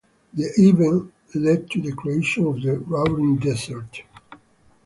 The event led to the creation of the Raurin Desert.